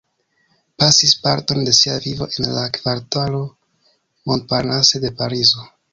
Pasis parton de sia vivo en la kvartalo Montparnasse de Parizo.